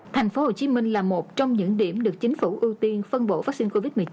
thành phố hồ chí minh là một trong những điểm được chính phủ ưu tiên phân bổ vaccine covid một mươi chín